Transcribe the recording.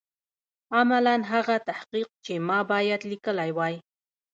عملاً هغه تحقیق چې ما باید لیکلی وای.